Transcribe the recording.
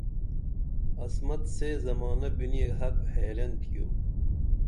عصمت سے زمانہ بِنی ہک حیرن تِھیو